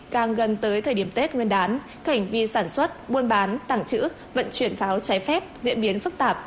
càng gần tới thời điểm tết nguyên đán cảnh vi sản xuất buôn bán tặng chữ vận chuyển pháo trái phép diễn biến phức tạp